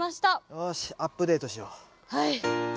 よしアップデートしよう。